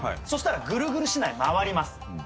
そしたらぐるぐる竹刀回ります。